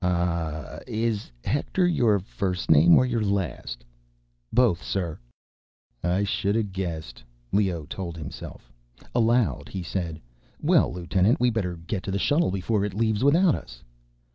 "Um m m ... is Hector your first name or your last?" "Both, sir." I should have guessed, Leoh told himself. Aloud, he said, "Well, lieutenant, we'd better get to the shuttle before it leaves without us."